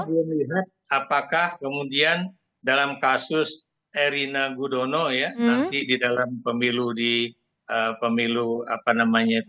belum lihat apakah kemudian dalam kasus erina gudono ya nanti di dalam pemilu di pemilu apa namanya